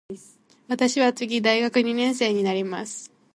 私は次大学二年生になります。